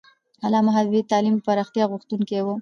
علامه حبیبي د تعلیم د پراختیا غوښتونکی و.